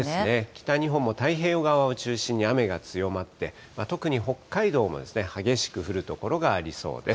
北日本も太平洋側を中心に雨が強まって、特に北海道も激しく降る所がありそうです。